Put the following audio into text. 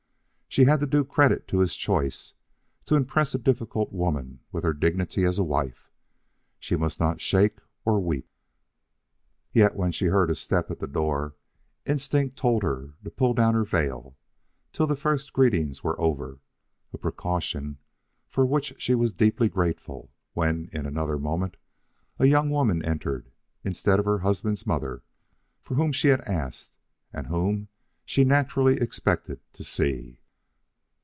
She had to do credit to his choice, to impress a difficult woman with her dignity as a wife. She must not shake nor weep. Yet when she heard a step at the door, instinct told her to pull down her veil till the first greetings were over a precaution for which she was deeply grateful when in another moment a young woman entered instead of her husband's mother for whom she had asked and whom she naturally expected to see.